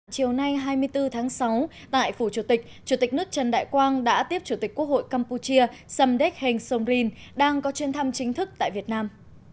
chiều nay hai mươi bốn tháng sáu tại phủ chủ tịch chủ tịch nước trần đại quang đã tiếp chủ tịch quốc hội campuchia samdek heng somrin đang có chuyến thăm chính thức tại việt nam